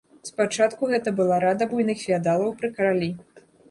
Спачатку гэта была рада буйных феадалаў пры каралі.